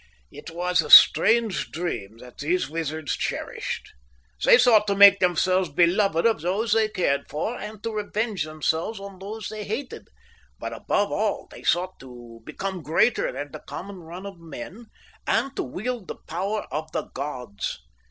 "It was a strange dream that these wizards cherished. They sought to make themselves beloved of those they cared for and to revenge themselves on those they hated; but, above all, they sought to become greater than the common run of men and to wield the power of the gods.